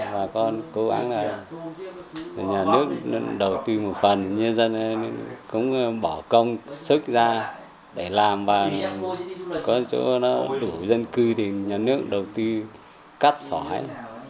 bà con cố gắng là nhà nước đầu tư một phần nhân dân cũng bỏ công sức ra để làm và có chỗ nó đủ dân cư thì nhà nước đầu tư cắt xói